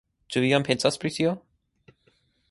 Ĉu vi jam pensas pri tio?